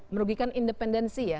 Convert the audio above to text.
merugikan independensi ya